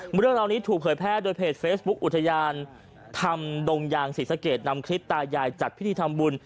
เรื่องราวนี้ถูกเผยแพร่โดยเพจเฟซบุ๊คอุทยานธรรมดงยางศรีสะเกดนำคลิปตายายจัดพิธีทำบุญ